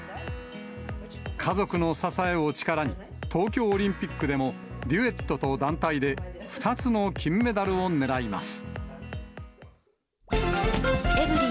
家族の支えを力に、東京オリンピックでも、デュエットと団体で２つの金メダルを狙います。